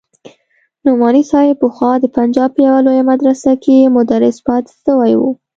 نعماني صاحب پخوا د پنجاب په يوه لويه مدرسه کښې مدرس پاته سوى و.